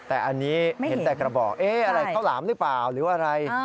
แต่อันนี้เห็นแต่กระบอกอะไรข้าวหลามหรือเปล่าหรืออะไร